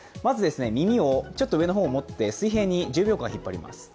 耳をちょっと上の方を持って水平に１０秒間引っ張ります